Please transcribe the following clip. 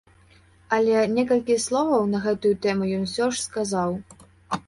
Але некалькі словаў на гэтую тэму ён ўсё ж сказаў.